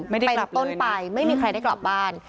เป็นต้นไปไม่มีใครได้กลับบ้าน